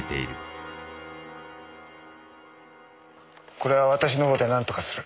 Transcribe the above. これは私の方でなんとかする。